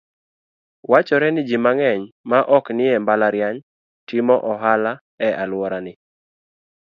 Wachore ni ji mang'eny ma oknie mbalariany, timo ohala e alworani.